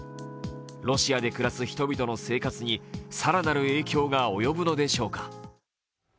ロシアで暮らす人々の生活に更なる影響が及ぶのでしょうか。